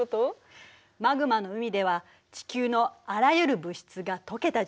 マグマの海では地球のあらゆる物質が溶けた状態。